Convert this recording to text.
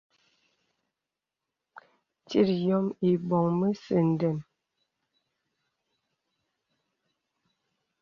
Tit yɔ̄m îbɔ̀ŋ mə̄sɛ̄ ndɛm.